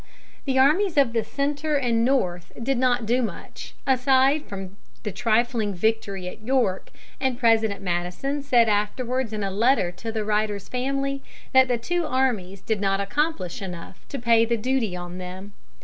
The armies of the Centre and North did not do much, aside from the trifling victory at York, and President Madison said afterwards in a letter to the writer's family that the two armies did not accomplish enough to pay the duty on them.